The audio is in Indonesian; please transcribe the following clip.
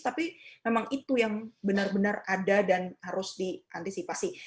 tapi memang itu yang benar benar ada dan harus diantisipasi